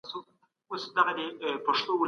سازمانونو به سیاسي ستونزي حل کولې.